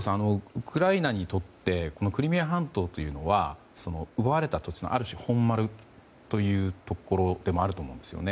ウクライナにとってクリミア半島というのは奪われた土地、ある種本丸というところでもあると思うんですね。